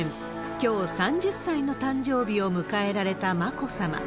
きょう、３０歳の誕生日を迎えられた眞子さま。